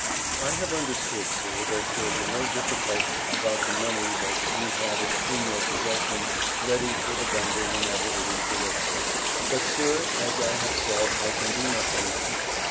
I have understood Sir that there were no difficul about the mone that you had it in your possession Ready for the bundle whenever it is delivered. But Sir as I have said I can do nothing now.